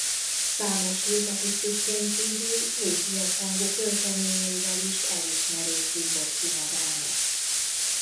Számos hírlapi cikkén kívül népies hangú költeményeivel is elismerést vívott ki magának.